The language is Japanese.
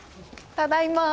ただいま。